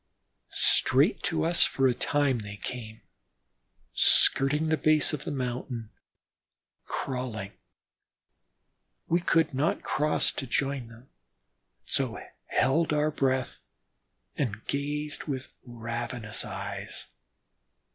Straight to us for a time they came, skirting the base of the mountain, crawling. We could not cross to join them, so held our breath and gazed with ravenous eyes.